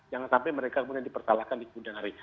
jangan sampai mereka kemudian dipersalahkan di kemudian hari